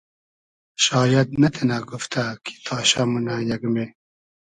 شاید نئتینۂ گوفتۂ کی تاشۂ مونۂ یئگمې